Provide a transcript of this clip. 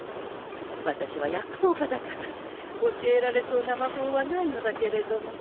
私は薬草家だから教えられそうな魔法はないのだけれども。